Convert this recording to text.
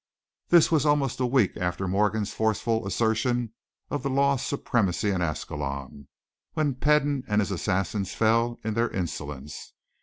This was almost a week after Morgan's forceful assertion of the law's supremacy in Ascalon, when Peden and his assassins fell in their insolence.